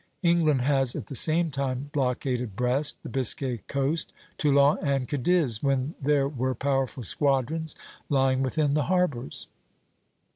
England has at the same time blockaded Brest, the Biscay coast, Toulon, and Cadiz, when there were powerful squadrons lying within the harbors.